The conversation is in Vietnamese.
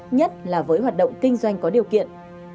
nhất là với hoạt động kinh doanh có điều kiện